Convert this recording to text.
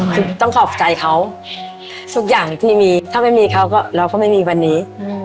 คือต้องขอบใจเขาทุกอย่างที่มีถ้าไม่มีเขาก็เราก็ไม่มีวันนี้